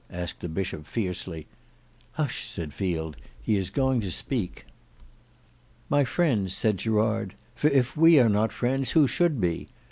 asked the Bishop fiercely. "Hush!" said Field; "he is going to speak." "My friends," said Gerard, "for if we are not friends who should be?